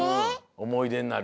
おもいでになる。